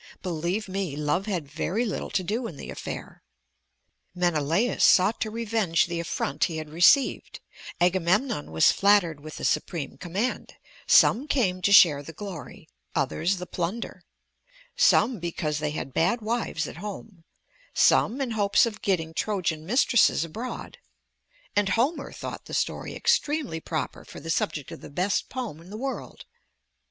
Believe me, love had very little to do in the affair: Menelaus sought to revenge the affront he had received; Agamemnon was flattered with the supreme command; some came to share the glory, others the plunder; some because they had bad wives at home, some in hopes of getting Trojan mistresses abroad; and Homer thought the story extremely proper for the subject of the best poem in the world.